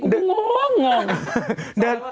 กูก็ง้องงง